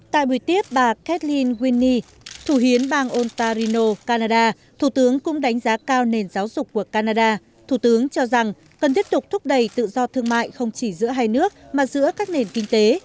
tại buổi tiếp bà kelin wini thủ hiến bang ontarino canada thủ tướng cũng đánh giá cao nền giáo dục của canada thủ tướng cho rằng cần tiếp tục thúc đẩy tự do thương mại không chỉ giữa hai nước mà giữa các nền kinh tế